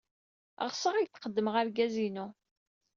Ɣseɣ ad ak-d-qeddmeɣ argaz-inu.